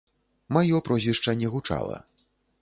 Маё прозвішча не гучала.